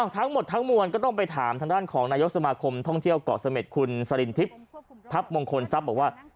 ทั้งหมดทั้งมวลก็ต้องไปถามทางด้านของนายกสมาคมท่องเที่ยวเกาะเสม็ดคุณสรินทิพย์ทัพมงคลทรัพย์บอกว่า